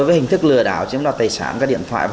với hình thức lừa đảo chiếm đoạt tài sản các điện thoại